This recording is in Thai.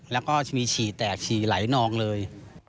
แล้วก็จะมีฉี่แตกฉี่ไหลนองเลย